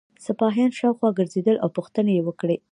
سپاهیان شاوخوا ګرځېدل او پوښتنې یې وکړې.